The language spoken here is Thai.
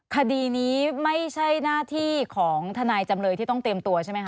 คดีนี้ไม่ใช่หน้าที่ของทนายจำเลยที่ต้องเตรียมตัวใช่ไหมค